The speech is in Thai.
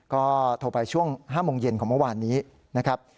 ก็โทรไปช่วง๕โมงเย็นของเมื่อวานนี้นะครับ